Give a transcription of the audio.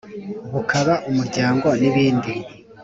bukaba umuryango n,ibindi